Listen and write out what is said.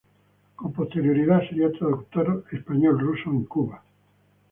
Con posterioridad sería traductor español-ruso en Cuba.